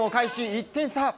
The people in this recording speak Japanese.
１点差。